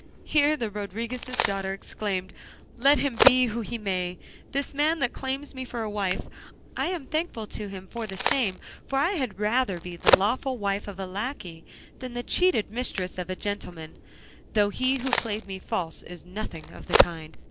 Here the Rodriguez's daughter exclaimed, "Let him be who he may, this man that claims me for a wife; I am thankful to him for the same, for I had rather be the lawful wife of a lacquey than the cheated mistress of a gentleman; though he who played me false is nothing of the kind."